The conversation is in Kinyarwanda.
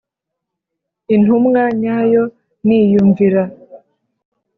Intumwa nyayo niyumvira.